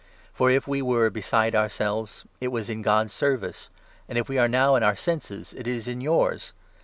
For, if we were "beside ourselves," it 13 was in God's service ! If we are now in our senses, it is in yours